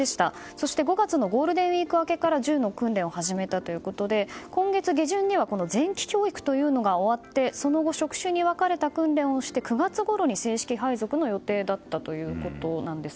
そして、５月のゴールデンウィーク明けから銃の訓練を始めたということで今月下旬には前期教育というのが終わって、その後職種に分かれた訓練をして９月ごろに正式配属の予定だったということです。